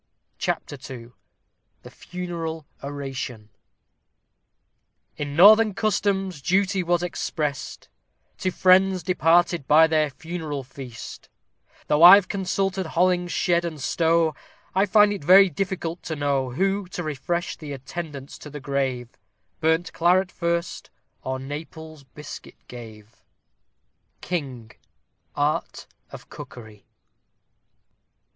CHAPTER II THE FUNERAL ORATION In northern customs duty was exprest To friends departed by their funeral feast; Though I've consulted Hollingshed and Stow, I find it very difficult to know, Who, to refresh the attendants to the grave, Burnt claret first, or Naples' biscuit gave. KING: Art of Cookery.